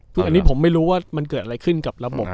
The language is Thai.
ซึ่งอันนี้ผมไม่รู้ว่ามันเกิดอะไรขึ้นกับระบบ